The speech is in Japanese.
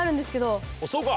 そうか。